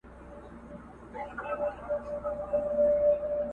چي « منظور» به هم د قام هم د الله سي٫